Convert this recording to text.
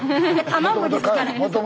・卵ですから。